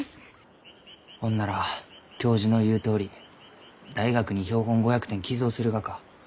ほんなら教授の言うとおり大学に標本５００点寄贈するがか？